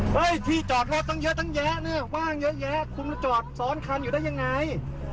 ที่จอดรถตั้งเยอะตั้งแยะเนี่ยว่างเยอะแยะคุณมาจอดซ้อนคันอยู่ได้ยังไง